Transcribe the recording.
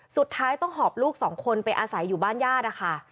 สุดท้ายต้องหอบลูกสองคนไปอาศัยอยู่บ้านญาตินะคะ